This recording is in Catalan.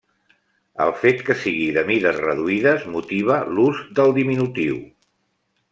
El fet que sigui de mides reduïdes motiva l'ús del diminutiu.